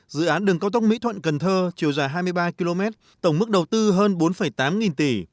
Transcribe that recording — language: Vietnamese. dự án đường cao tốc mỹ thuận cần thơ chiều dài hai mươi ba km tổng mức đầu tư hơn bốn tám nghìn tỷ